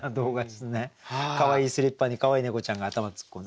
かわいいスリッパにかわいい猫ちゃんが頭突っ込んで。